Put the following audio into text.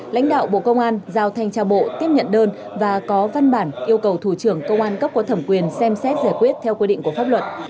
lãnh đạo bộ công an giao thanh trao bộ tiếp nhận đơn và có văn bản yêu cầu thủ trưởng công an cấp có thẩm quyền xem xét giải quyết theo quy định của pháp luật